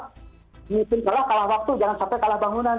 mungkin kalah kalah waktu jangan sampai kalah bangunan